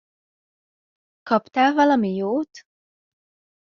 Kaptál valami jót?